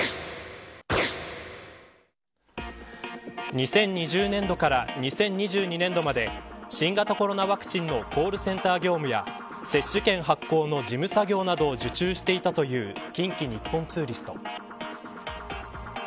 ２０２０年度から２０２２年度まで新型コロナワクチンのコールセンター業務や接種券発行の事務作業などを受注していたという近畿日本ツーリスト。